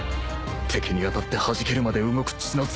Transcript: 敵に当たってはじけるまで動く血の斬撃